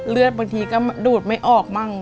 เลือดบางทีก็ดูดไม่ออกบ้าง